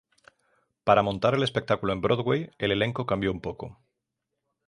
Para montar el espectáculo en Broadway el elenco cambió un poco.